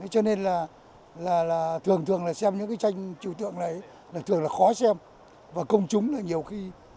cho nên là thường thường là xem những cái tranh tru tượng này thường là khó xem và công chúng là nhiều khi